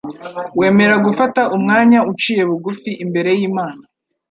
wemera gufata umwanya uciye bugufi imbere y'Imana.